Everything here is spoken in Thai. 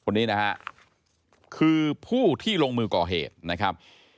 คนนี้นะฮะคือผู้ที่ลงมือก่อเหตุนะครับ